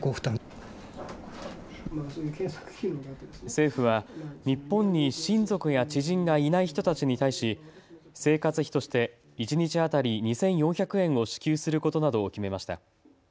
政府は日本に親族や知人がいない人たちに対し生活費として一日当たり２４００円を支給することなどを決めました。